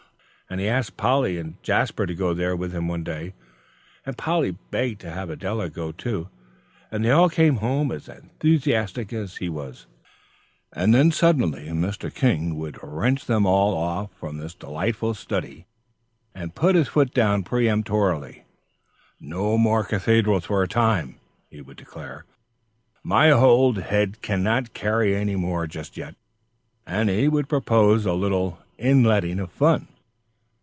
And he asked Polly and Jasper to go there with him one day, and Polly begged to have Adela go too, and they all came home as enthusiastic as he was. And then suddenly Mr. King would wrench them all off from this delightful study and put his foot down peremptorily. "No more cathedrals for a time," he would declare; "my old head cannot carry any more just yet." And he would propose a little in letting of fun.